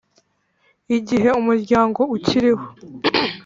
Igihe umuryango ukiriho